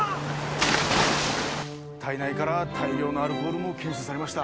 体内から大量のアルコールも検出されました。